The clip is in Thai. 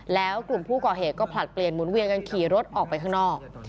แล้วกลุ่มผู้ก่อเหตุก็ผลัดเปลี่ยนหมุนเวียนกันขี่รถออกไปข้างนอก